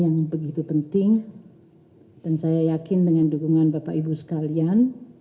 yang begitu penting dan saya yakin dengan dukungan bapak ibu sekalian